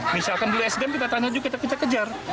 misalkan dulu sdm kita tanya juga kita kejar kejar